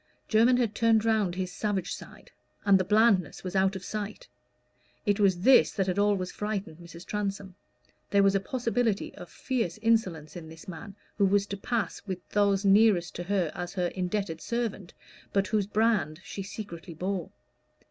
Jermyn had turned round his savage side, and the blandness was out of sight. It was this that had always frightened Mrs. Transome: there was a possibility of fierce insolence in this man who was to pass with those nearest to her as her indebted servant, but whose brand she secretly bore.